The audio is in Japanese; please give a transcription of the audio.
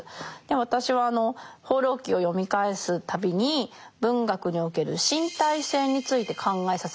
私は「放浪記」を読み返す度に文学における「身体性」について考えさせられます。